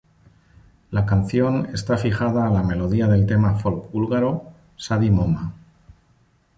La canción está fijada a la melodía del tema "folk" búlgaro "Sadi Moma".